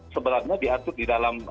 sebenarnya diatur di dalam